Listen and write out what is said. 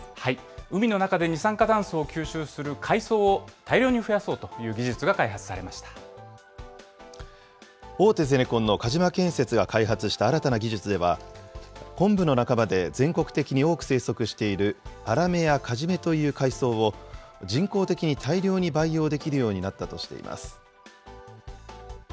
海の中で二酸化炭素を吸収する海藻を大量に増やそうという技大手ゼネコンの鹿島建設が開発した新たな技術では、コンブの仲間で、全国的に多く生息しているアラメやカジメという海藻を、人工的に大量に培養できるようになったとしています。